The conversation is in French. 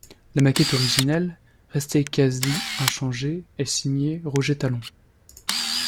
La maquette originelle, restée quasi inchangée, est signée Roger Tallon.